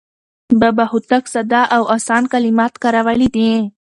بابا هوتک ساده او اسان کلمات کارولي دي.